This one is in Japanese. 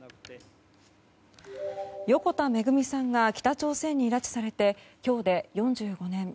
横田めぐみさんが北朝鮮に拉致されて今日で４５年。